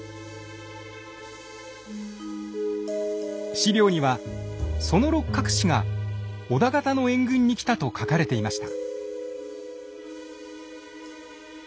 史料にはその六角氏が織田方の援軍に来たと書かれていました。